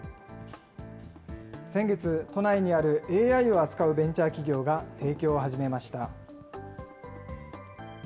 先月、都内にあるＡＩを扱うベンチャー企業が提供を始めました。